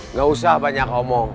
nggak usah banyak omong